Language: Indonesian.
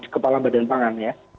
kepala badan pangan ya